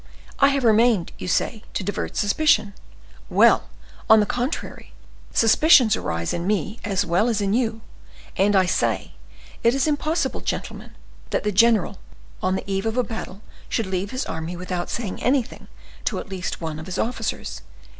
I have remained, you say, to divert suspicion. Well! on the contrary, suspicions arise in me as well as in you; and I say, it is impossible, gentlemen, that the general, on the eve of a battle, should leave his army without saying anything to at least one of his officers.